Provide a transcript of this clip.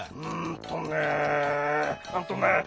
うんとね